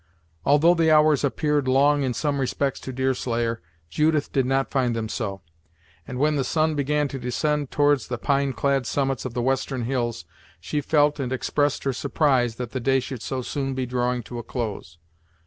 Although the hours appeared long in some respects to Deerslayer, Judith did not find them so, and when the sun began to descend towards the pine clad summits of the western hills, she felt and expressed her surprise that the day should so soon be drawing to a close.